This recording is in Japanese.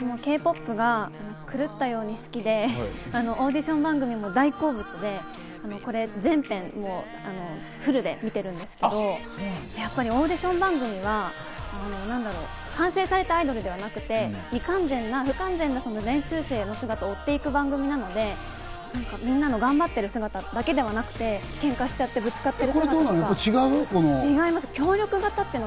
Ｋ−ＰＯＰが狂ったように好きで、オーディション番組も大好物で、これ全編フルで見てるんですけど、やっぱりオーディション番組は完成されたアイドルではなくて未完全な不完全な練習生の姿を追っていく番組なので、みんなの頑張ってる姿だけではくて、ケンカしちゃって、ぶつかって。